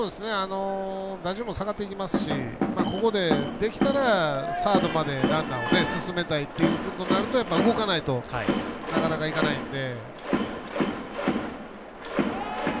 打順も下がっていきますしここでできたらサードまでランナーを進めたいっていうことになると動かないとなかなか、いかないので。